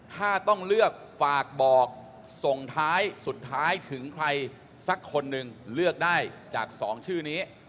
ถ้าต้องเลือกฝากบอกส่งท้ายสุดท้ายถึงใครสักคนหนึ่งเลือกได้จาก๒ชื่อนี้